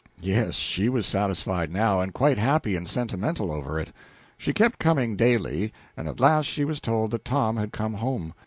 Yes, she was satisfied now, and quite happy and sentimental over it. She kept coming daily, and at last she was told that Tom had come home.